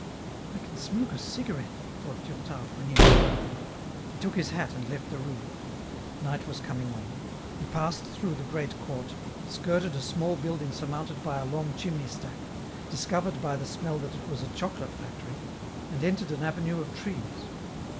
" I can smoke a cigarette," thought Durtal, when he was alone. He took his hat and left the room. Night was coming on. He passed through the great court, skirted a small building surmounted by a long chimney stack, discovered by the smell that it was a chocolate factory, and entered an avenue of trees.